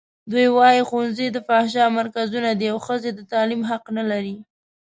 دوی وايي ښوونځي د فحشا مرکزونه دي او ښځې د تعلیم حق نه لري.